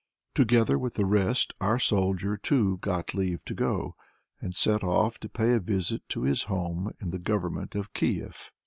Together with the rest our Soldier, too, got leave to go, and set off to pay a visit to his home in the government of Kief.